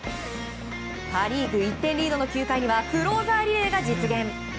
パ・リーグ１点リードの９回にはクローザーリレーが実現。